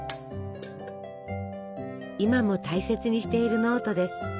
今も大切にしているノートです。